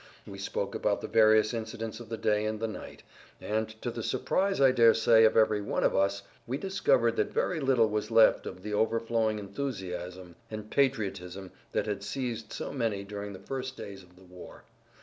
We spoke about the various incidents of the day and the night, and, to the surprise, I daresay, of every one of us, we[Pg 72] discovered that very little was left of the overflowing enthusiasm and patriotism that had seized so many during the first days of the war.